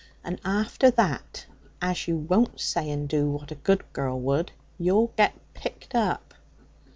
'And after that, as you won't say and do what a good girl would, you'll get picked up.'